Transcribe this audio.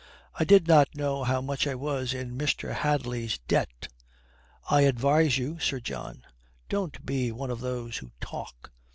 "I did not know how much I was in Mr. Hadley's debt. I advise you, Sir John, don't be one of those who talk."